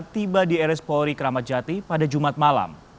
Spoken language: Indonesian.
tiba di rs polri keramat jati pada jumat malam